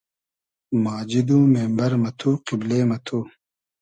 ماجید و مېمبئر مہ تو , قیبلې مہ تو